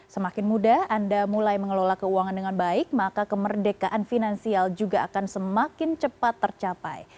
semakin mudah anda mulai mengelola keuangan dengan baik maka kemerdekaan finansial juga akan semakin cepat tercapai